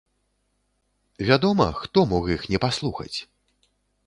Вядома, хто мог іх не паслухаць?